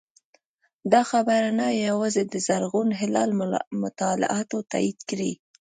دا خبره نه یوازې د زرغون هلال مطالعاتو تایید کړې